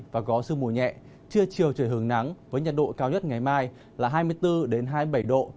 và có sương mù nhẹ trưa chiều trời hướng nắng với nhiệt độ cao nhất ngày mai là hai mươi bốn cho đến hai mươi bảy độ